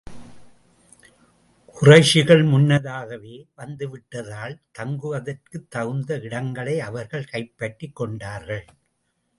குறைஷிகள் முன்னதாகவே வந்து விட்டதால், தங்குவதற்குத் தகுந்த இடங்களை அவர்கள் கைப்பற்றிக் கொண்டார்கள்.